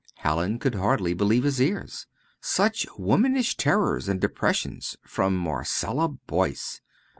Hallin could hardly believe his ears. Such womanish terrors and depressions from Marcella Boyce!